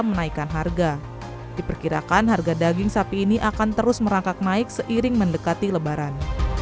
menaikkan harga diperkirakan harga daging sapi ini akan terus merangkak naik seiring mendekati lebaran